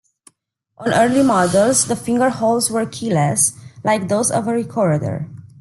On early models, the fingerholes were keyless, like those of a recorder.